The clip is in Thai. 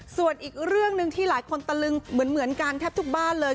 ส่วนอีกเรื่องหนึ่งที่หลายคนตะลึงเหมือนกันแทบทุกบ้านเลย